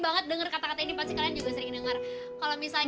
banget dengar kata katanya ini pasti kalian juga sering dengar kalau misalnya